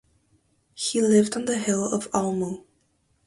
He lived on the hill of Almu.